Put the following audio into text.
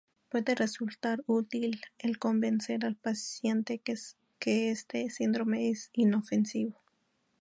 Puede resultar útil el convencer al paciente que este síndrome es inofensivo.